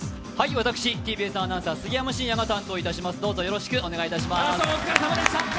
私ＴＢＳアナウンサー、杉山真也が担当させていただきます。